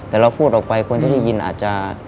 แต่เราพูดออกไปคนที่ได้ยินอาจจะ